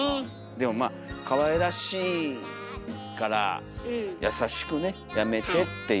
でもまあかわいらしいから優しくね「やめて」っていう。